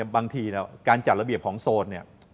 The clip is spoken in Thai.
บางทีการจัดระเบียบของโซน